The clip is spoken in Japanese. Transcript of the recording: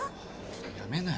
やめなよ